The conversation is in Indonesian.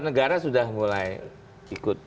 negara sudah mulai ikut